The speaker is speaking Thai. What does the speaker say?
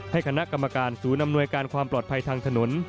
คณะกรรมการศูนย์อำนวยการความปลอดภัยทางถนน